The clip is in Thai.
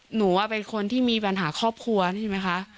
หนูเป็นคนที่มีปัญหาครอบครัวใช่ไหมคะ